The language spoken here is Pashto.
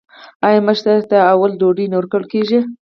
آیا مشر ته لومړی ډوډۍ نه ورکول کیږي؟